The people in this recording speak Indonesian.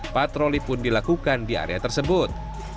patroli pun dilakukan di area tersebut